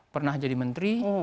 pernah jadi menteri